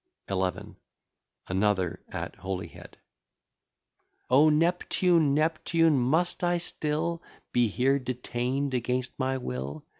XI. ANOTHER, AT HOLYHEAD O Neptune! Neptune! must I still Be here detain'd against my will?